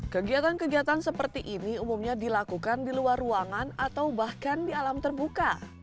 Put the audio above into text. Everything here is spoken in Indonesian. kegiatan kegiatan seperti ini umumnya dilakukan di luar ruangan atau bahkan di alam terbuka